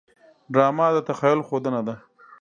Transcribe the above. ډرامه د تخیل ښودنه ده